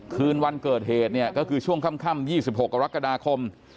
คืนวันเกิดเหตุเนี่ยก็คือช่วงค่ำ๒๖กรกฎาคม